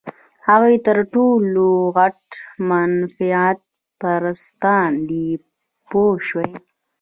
هغوی تر ټولو غټ منفعت پرستان دي پوه شوې!.